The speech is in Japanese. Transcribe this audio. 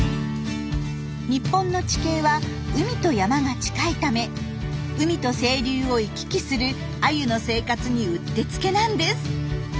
日本の地形は海と山が近いため海と清流を行き来するアユの生活にうってつけなんです。